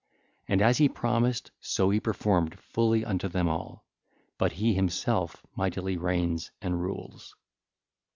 And as he promised, so he performed fully unto them all. But he himself mightily reigns and rules.